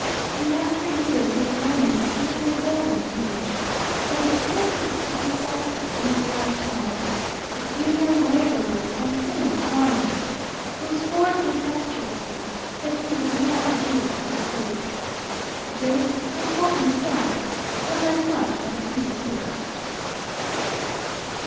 In after years his reign became a golden age; but he counted a few disciples in his life time, a few young labourers and tenant farmers, who swore tempestuously that he was not really a fool. This, he told himself, was as much as he deserved.